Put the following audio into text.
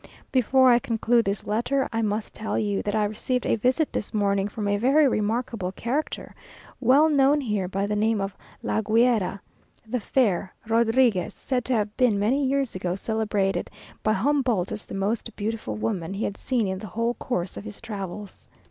Before I conclude this letter, I must tell you that I received a visit this morning from a very remarkable character, well known here by the name of La Guera (the fair) Rodriguez, said to have been many years ago celebrated by Humboldt as the most beautiful woman he had seen in the whole course of his travels.